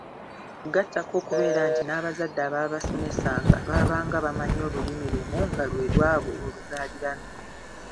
Gattako okubeera nti n’abazadde abaabasomesanga baabanga bamanyi Olulimi lumu nga lwe lwabwe oluzaaliranwa.